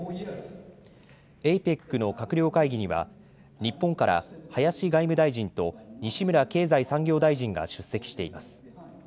ＡＰＥＣの閣僚会議には日本から林外務大臣と西村経済産業大臣が出席しています。